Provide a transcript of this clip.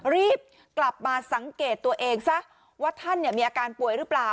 รีบกลับมาสังเกตตัวเองซะว่าท่านมีอาการป่วยหรือเปล่า